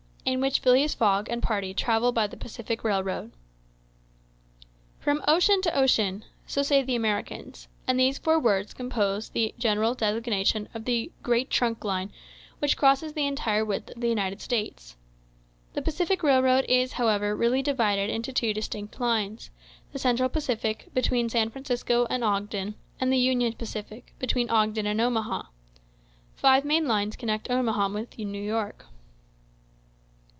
IN WHICH PHILEAS FOGG AND PARTY TRAVEL BY THE PACIFIC RAILROAD "From ocean to ocean"—so say the Americans; and these four words compose the general designation of the "great trunk line" which crosses the entire width of the United States. The Pacific Railroad is, however, really divided into two distinct lines: the Central Pacific, between San Francisco and Ogden, and the Union Pacific, between Ogden and Omaha. Five main lines connect Omaha with New York.